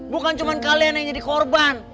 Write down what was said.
bukan cuma kalian yang jadi korban